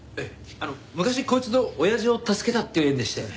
あの昔こいつの親父を助けたっていう縁でして。